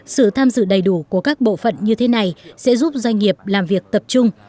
sự tham dự đầy đủ của các bộ phận như thế này sẽ giúp doanh nghiệp làm việc tập trung